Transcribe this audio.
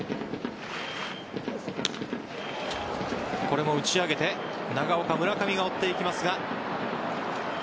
これも打ち上げて長岡、村上が追っていきますが。